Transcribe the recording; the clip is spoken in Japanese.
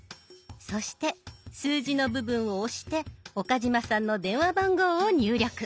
そして数字の部分を押して岡嶋さんの電話番号を入力。